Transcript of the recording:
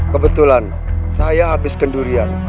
kebetulan saya habis kendurian